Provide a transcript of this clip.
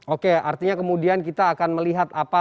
oke artinya kemudian kita akan melihat apa